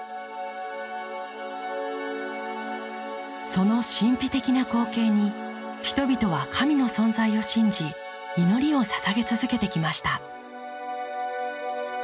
その神秘的な光景に人々は神の存在を信じ祈りをささげ続けてきました。